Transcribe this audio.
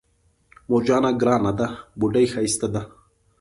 مور جانه ګرانه ده بوډۍ ښايسته ده